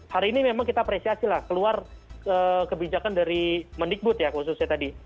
hari ini memang kita apresiasi lah keluar kebijakan dari mendikbud ya khususnya tadi